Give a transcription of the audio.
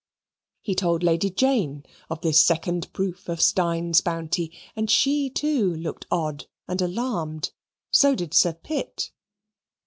He told Lady Jane of this second proof of Steyne's bounty, and she, too, looked odd and alarmed; so did Sir Pitt.